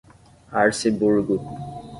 Arceburgo